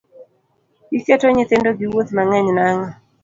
Iketo nyithindo gi wuoth mang'eny nang'o?